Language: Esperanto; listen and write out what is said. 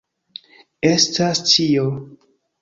Estas ĉio.